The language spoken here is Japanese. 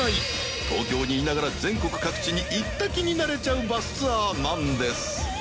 東京にいながら全国各地に行った気になれちゃうバスツアーなんです